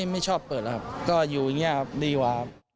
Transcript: ไม่ชอบเปิดแล้วครับก็อยู่อย่างนี้ดีวะ